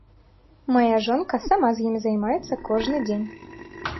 Мая жонка сама з імі займаецца кожны дзень.